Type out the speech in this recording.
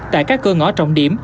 tại các cơ ngõ trọng điểm